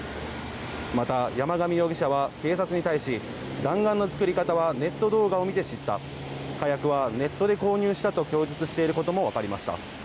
また、山上容疑者は警察に対し弾丸の作り方はネット動画を見て知った火薬はネットで購入したと供述していることもわかりました。